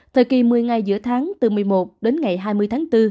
thời kỳ một mươi ngày giữa tháng từ một mươi một đến ngày hai mươi tháng bốn